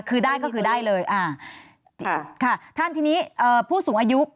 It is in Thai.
คือได้ก็คือได้เลยอ่าค่ะค่ะท่านทีนี้เอ่อผู้สูงอายุ